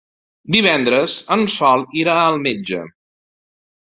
Divendres en Sol irà al metge.